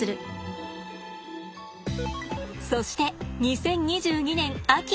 そして２０２２年秋。